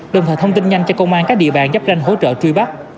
đồng thời thông tin nhanh cho công an các địa bàn giáp ranh hỗ trợ truy bắt